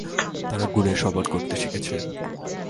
তারা গুণের সম্মান করতে শিখেছে।